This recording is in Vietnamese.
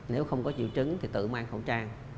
nếu không có triệu chứng thì tự mang khẩu trang